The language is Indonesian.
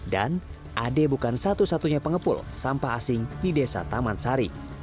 dan ade bukan satu satunya pengepul sampah asing di desa taman sari